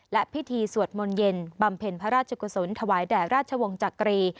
และพิธีสวดมนต์เย็นบำเพ็ญพระราชกุศลถวายแด่ราชวงศ์จักรี